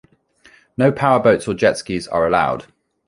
No powered boats or jet skis are allowed.